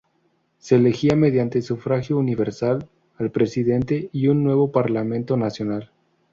Se elegía, mediante sufragio universal, al presidente y un nuevo Parlamento Nacional.